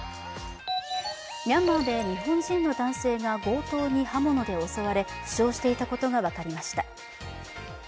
ミャンマーで日本人の男性が強盗に刃物で襲われ負傷していたことが分かりました。